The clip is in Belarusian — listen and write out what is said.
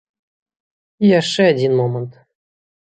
І яшчэ адзін момант.